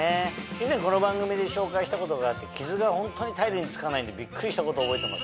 以前この番組で紹介したことがあって傷がホントにタイルに付かないんでびっくりしたこと覚えてますよ。